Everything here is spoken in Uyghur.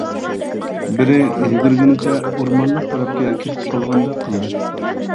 -بىرى يۈگۈرگىنىچە ئورمانلىق تەرەپكە كېتىپ قالغاندەك قىلدى.